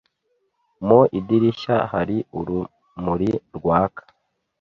Mu idirishya hari urumuri rwaka